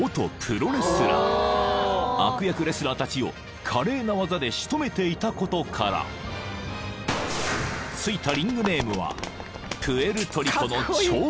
［悪役レスラーたちを華麗な技で仕留めていたことから付いた］